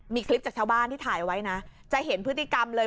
มีคลิปจากชาวบ้านที่ถ่ายไว้นะจะเห็นพฤติกรรมเลย